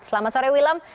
selamat sore wilam